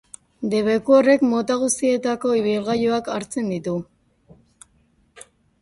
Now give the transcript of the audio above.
Debeku horrek mota guztietako ibilgailuak hartzen ditu.